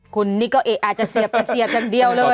คุณนี่ก็อาจจะเสียไปเสียบอย่างเดียวเลย